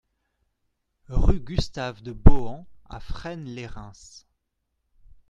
Rue Gustave de Bohan à Fresne-lès-Reims